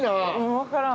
わからん。